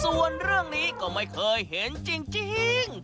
ส่วนเรื่องนี้ก็ไม่เคยเห็นจริง